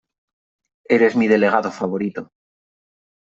Eres mi delegado favorito .